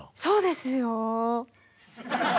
そうですよ。